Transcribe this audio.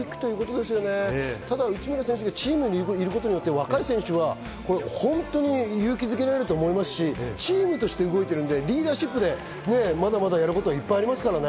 でも内村選手がチーム日本にいることによって若い選手は本当に勇気付けられると思いますし、リーダーシップでまだまだやることいっぱいありますからね。